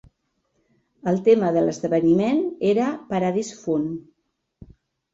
El tema de l'esdeveniment era "Paradise Found".